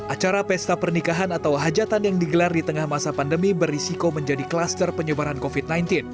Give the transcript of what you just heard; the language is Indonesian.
acara pesta pernikahan atau hajatan yang digelar di tengah masa pandemi berisiko menjadi kluster penyebaran covid sembilan belas